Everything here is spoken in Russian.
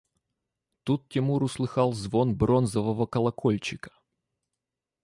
Тут Тимур услыхал звон бронзового колокольчика.